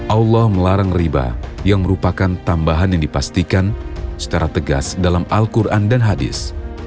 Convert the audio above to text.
allah melarang riba yang merupakan tambahan yang dipastikan secara tegas dalam al quran dan hadis